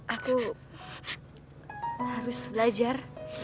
aku harus belajar